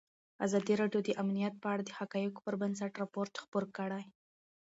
ازادي راډیو د امنیت په اړه د حقایقو پر بنسټ راپور خپور کړی.